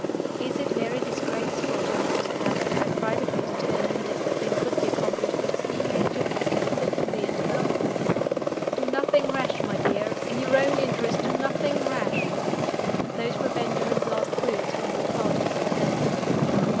Is it very disgraceful to me to add that I privately determined (if the thing could be accomplished) to see Major Fitz David in the interval? "Do nothing rash, my dear. In your own interests, do nothing rash!" Those were Benjamin's last words when we parted for the day.